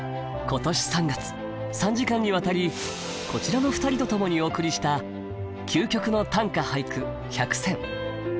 今年３月３時間にわたりこちらの２人と共にお送りした「究極の短歌・俳句１００選」。